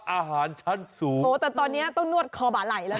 อาหารชั้นสูงโอ้แต่ตอนเนี้ยต้องนวดคอบาไหล่